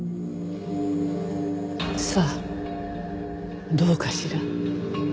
さあどうかしら。